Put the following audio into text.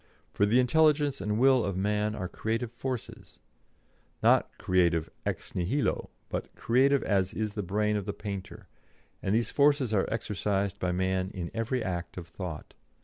For the intelligence and will of man are creative forces not creative ex nihilo, but creative as is the brain of the painter and these forces are exercised by man in every act of thought.